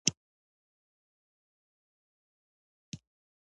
ټکله می درته کړې ،یعنی میلمه می يی